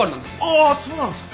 ああっそうなんですか？